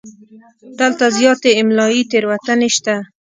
دلته زیاتې املایي تېروتنې شته.